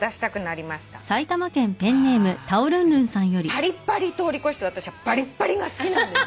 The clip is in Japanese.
パリッパリ通り越して私はバリッバリが好きなんです。